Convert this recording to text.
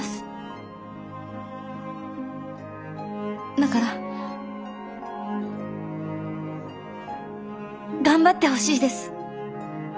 だから頑張ってほしいです。